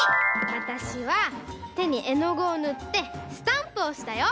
わたしはてにえのぐをぬってスタンプをおしたよ。